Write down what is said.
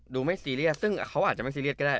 ดูไม่ซีเรียสซึ่งเขาอาจจะไม่ซีเรียสก็ได้